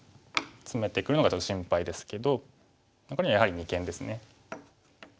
ツメてくるのがちょっと心配ですけどこれにはやはり二間ですね。